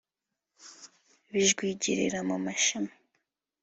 Bijwigirira mu mashami